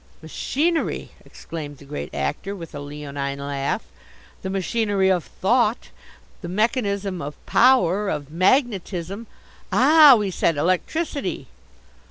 "Machinery!" exclaimed the Great Actor, with a leonine laugh. "The machinery of thought, the mechanism of power, of magnetism " "Ah," we said, "electricity."